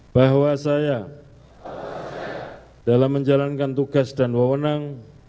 bahwa saya dalam menjalankan tugas dan wawonan